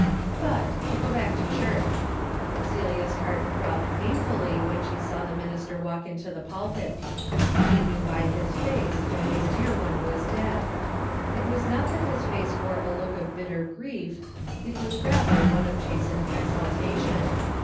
But to go back to church. Celia's heart throbbed painfully when she saw the minister walk into the pulpit. She knew by his face that his dear one was dead. It was not that his face wore a look of bitter grief, it was rather one of chastened exaltation.